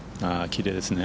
きれいですね。